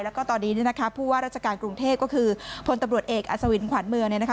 แล้วก็ตอนนี้ผู้ว่ารัชการกรุงเทพฯก็คือพลตำรวจเอกอาศวินขวานเมือง